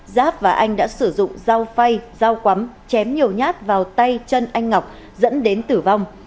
giáp và anh đã sử dụng dao phay dao quắm chém nhiều nhát vào tay chân anh ngọc dẫn đến tử vong